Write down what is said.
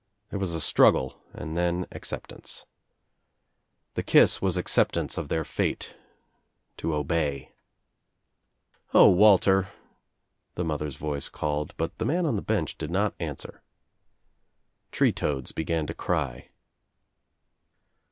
There was a struggle and then ac* 222 THE TRIUMPH OF THE EGG ceptance. The kiss was acceptance of their fate — to obey. "O, Walter," the mother's voice called, but the man on the bench did not answer. Tree toads be gan to cry.